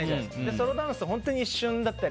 ソロダンスが本当一瞬だったり。